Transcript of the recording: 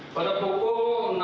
pada pukul enam belas